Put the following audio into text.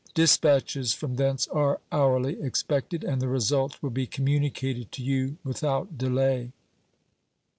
Dispatches from thence are hourly expected, and the result will be communicated to you without delay.